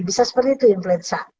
bisa seperti itu influenza